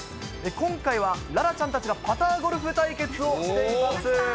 今回は楽々ちゃんたちがパターゴルフ対決をしています。